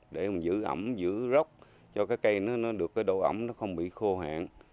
để giữ ẩm giữ rốc cho cái cây nó được cái độ ẩm nó không bị khô hạn